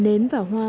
nến và hoa